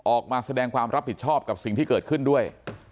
ออกมาแสดงความรับผิดชอบกับสิ่งที่เกิดขึ้นด้วย